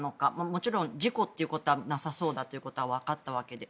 もちろん、事故ということはなさそうだということは分かったわけで。